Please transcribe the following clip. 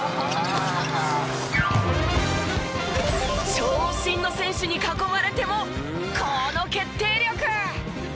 長身の選手に囲まれてもこの決定力！